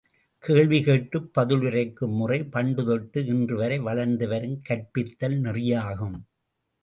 கேள்வி கேட்டுப் பதில் உரைக்கும் முறை பண்டு தொட்டு இன்று வரை வளர்ந்து வரும் கற்பித்தல் நெறியாகும்.